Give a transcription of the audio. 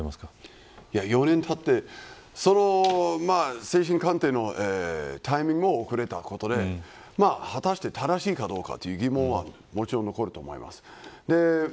４年たって精神鑑定のタイミングも遅れたことで果たして正しいかどうかという疑問はもちろん残ると思います。